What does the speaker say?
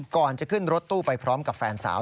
ก่อนจะขึ้นรถตู้ไปพร้อมกับแฟนสาว